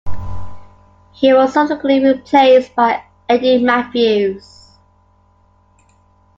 He was subsequently replaced by Eddie Mathews.